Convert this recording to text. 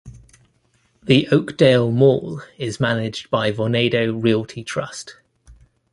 The Oakdale Mall is managed by Vornado Realty Trust.